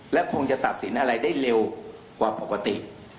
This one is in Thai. และคงจะตัดสินอะไรได้เร็วกว่าปกติ